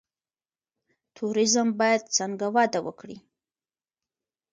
توریزم باید څنګه وده وکړي؟